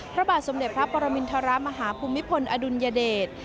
พระบาทสมเด็จพระปรมินทรมาฮภูมิพลอดุลยเดช